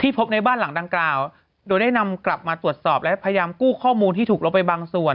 พบในบ้านหลังดังกล่าวโดยได้นำกลับมาตรวจสอบและพยายามกู้ข้อมูลที่ถูกลบไปบางส่วน